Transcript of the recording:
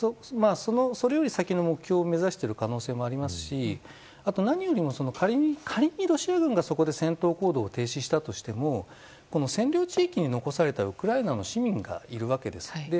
それよりの先の目標を目指している可能性もありますしあと何よりも仮にロシア軍がそこで戦闘行動を停止したとしても占領地域に残されたウクライナの市民がいるわけです。